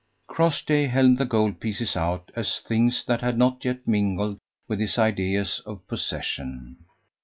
Crossjay held the gold pieces out as things that had not yet mingled with his ideas of possession.